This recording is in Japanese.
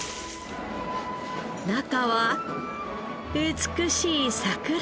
中は美しい桜色。